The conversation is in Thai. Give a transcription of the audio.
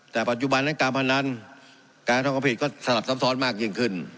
แต่ปัจจุบันนั้นการพนันการทำความผิดก็สลับซับซ้อนมากยิ่งขึ้น